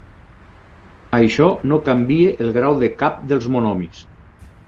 Això no canvia el grau de cap dels monomis.